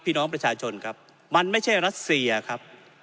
พี่น้องประชาชนครับมันไม่ใช่รัสเซียครับ